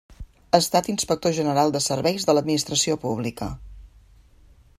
Ha estat Inspector General de Serveis de l'Administració Pública.